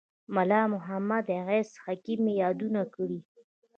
ملا محمد عیسی حکیم یې یادونه کړې.